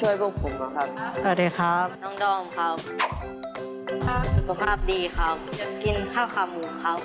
อยากกินข้าวขาวหมูครับ